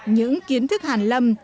những kiến thức hàn lâm